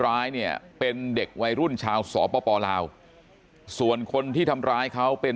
ร้ายเนี่ยเป็นเด็กวัยรุ่นชาวสปลาวส่วนคนที่ทำร้ายเขาเป็น